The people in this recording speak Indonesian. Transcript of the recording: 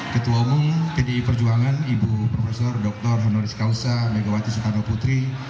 ketua umum pdi perjuangan ibu prof dr honoris causa megawati soekarno putri